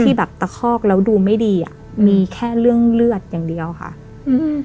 ที่แบบตะคอกแล้วดูไม่ดีอ่ะมีแค่เรื่องเลือดอย่างเดียวค่ะอืม